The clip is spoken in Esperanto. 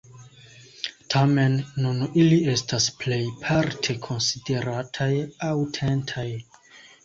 Tamen, nun ili estas plejparte konsiderataj aŭtentaj.